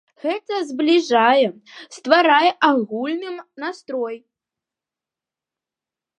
Гэта збліжае, стварае агульны настрой.